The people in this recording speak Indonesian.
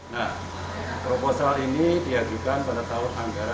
nah proposal ini diadukan pada tahun angkasa